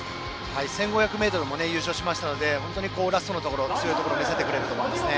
１５００ｍも優勝しましたので本当にラストで強いところを見せてくれると思いますね。